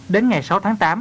đến ngày sáu tháng tám